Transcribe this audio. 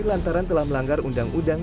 lantaran telah melanggar undang undang